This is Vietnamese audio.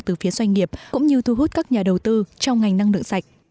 từ phía doanh nghiệp cũng như thu hút các nhà đầu tư trong ngành năng lượng sạch